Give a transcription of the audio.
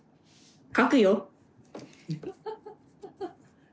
書くよ。